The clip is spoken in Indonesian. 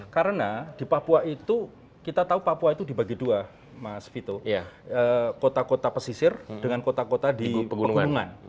karena di papua itu kita tahu di bagi dua mas vito kota kota pesisir dengan kota kota di pegunungan